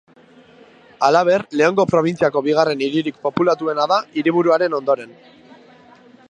Halaber, Leongo probintziako bigarren hiririk populatuena da hiriburuaren ondoren.